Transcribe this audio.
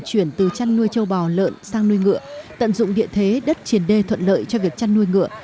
chuyển từ chăn nuôi châu bò lợn sang nuôi ngựa tận dụng địa thế đất triển đê thuận lợi cho việc chăn nuôi ngựa